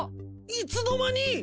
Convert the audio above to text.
いつの間に？